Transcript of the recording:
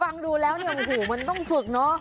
ฟังดูแล้วเนี่ยโอ้โหมันต้องฝึกเนอะ